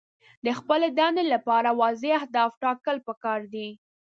د خپلې دندې لپاره واضح اهداف ټاکل پکار دي.